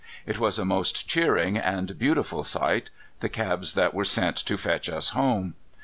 It was a most cheering and beautiful sight the cabs that were sent to fetch us home!